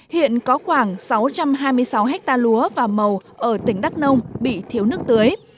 hiện có khoảng sáu trăm hai mươi sáu ha lúa và màu ở tỉnh đắk nông bị thiếu nước tưới